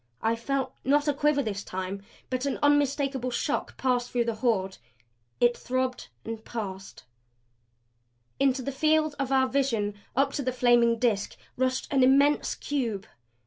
I felt, not a quiver this time, but an unmistakable shock pass through the Horde. It throbbed and passed. Into the field of our vision, up to the flaming Disk rushed an immense cube.